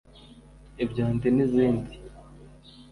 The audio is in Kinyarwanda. ibyondi n’izindi